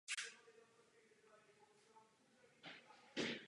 Všechny tři děti se narodily v Itálii.